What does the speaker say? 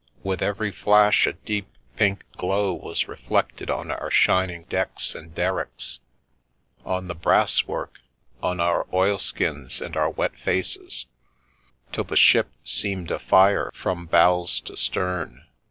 With every flash a deep pink glow was reflected on our shining decks and derricks, on the brasswork, on our oilskins and our wet faces, till the ship seemed afire from bows to stern.